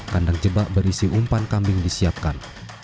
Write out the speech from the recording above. kandang jebak berisi umpan kambing disiapkan